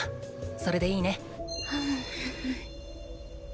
それでいいね。！